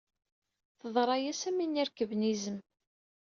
Teḍra-as am win irekben izem.